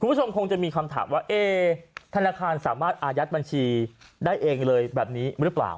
คุณผู้ชมคงจะมีคำถามว่าเอ๊ธนาคารสามารถอายัดบัญชีได้เองเลยแบบนี้หรือเปล่า